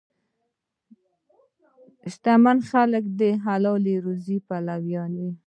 شتمن خلک د حلال روزي پلویان وي.